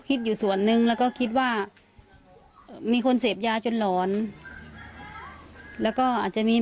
คิดอยู่ส่วนนึงแล้วก็คิดว่ามีคนเสพยาจนหลอนแล้วก็อาจจะมี